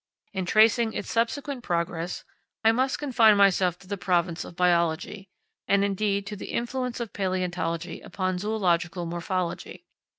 In tracing its subsequent progress I must confine myself to the province of biology, and, indeed, to the influence of palaeontology upon zoological morphology.